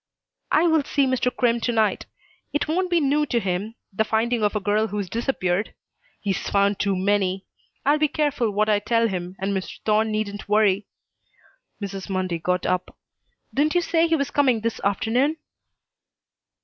"I will see Mr. Crimm to night. It won't be new to him the finding of a girl who's disappeared. He's found too many. I'll be careful what I tell him, and Mr. Thorne needn't worry." Mrs. Mundy got up. "Didn't you say he was coming this afternoon?"